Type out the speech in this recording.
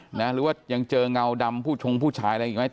หรือว่ายังเจอเงาดำผู้ชงผู้ชายอะไรอีกไหม